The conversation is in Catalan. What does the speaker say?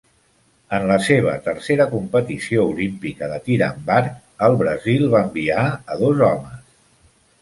En la seva tercera competició olímpica de tir amb arc, el Brasil va enviar a dos homes.